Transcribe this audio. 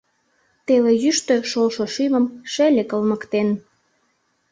Теле йӱштӧ шолшо шӱмым шеле кылмыктен.